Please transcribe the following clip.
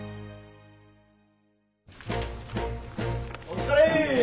お疲れ！